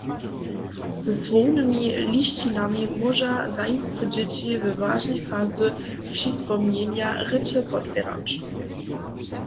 Ze słownymi lisćinami móža zajimcy dźěći we wažnej fazy přiswojenja rěče podpěrać.